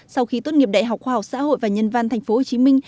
sau khi tốt nghiệp đại học khoa học xã hội và nhân văn thành phố hồ chí minh